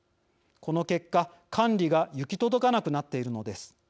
この結果、管理が行き届かなくなっているのです。